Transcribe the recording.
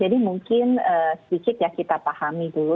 jadi mungkin sedikit ya kita pahami dulu